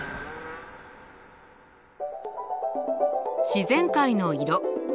自然界の色。